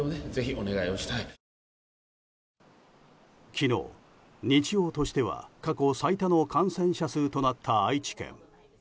昨日、日曜としては過去最多の感染者数となった愛知県。